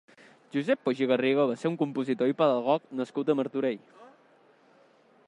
Josep Poch i Garriga va ser un compositor i pedagog nascut a Martorell.